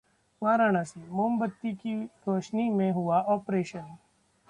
वाराणसी: मोमबत्ती की रोशनी में हुआ ऑपरेशन